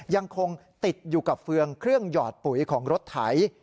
ยังคงติดอยู่กับเฟืองเครื่องหยอดปุ๋ยของรถไถ